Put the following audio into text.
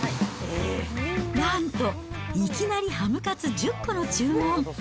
なんと、いきなりハムカツ１０個の注文。